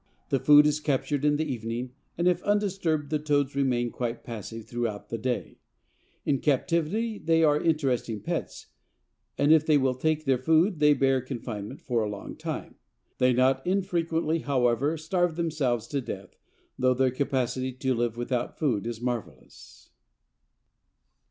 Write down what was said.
The food is captured in the evening, and if undisturbed the toads remain quite passive throughout the day. In captivity they are interesting pets and if they will take food they bear confinement for a long time. "They not infrequently, however, starve themselves to death, though their capacity to live without food is marvelous."